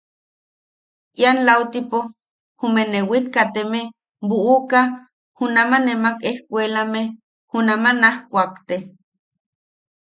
Ian lautipo jume newit kateme buʼuka junama nemak ejkuelakame junama naj kuakte.